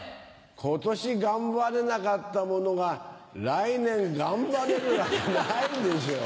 今年頑張れなかったものが来年頑張れるわけないでしょう。